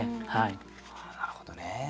なるほどね。